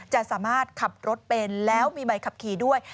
จะสามารถขับรถเป็นแล้วมีใบขับขี่ด้วย